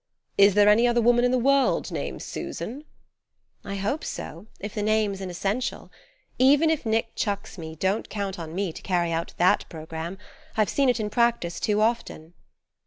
"Is there any other woman in the world named Susan?" "I hope so, if the name's an essential. Even if Nick chucks me, don't count on me to carry out that programme. I've seen it in practice too often."